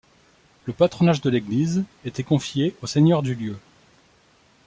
Le patronage de l’église était confié au seigneur du lieu.